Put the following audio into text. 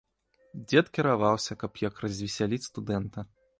Дзед кіраваўся, каб як развесяліць студэнта.